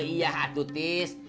iya hatu tis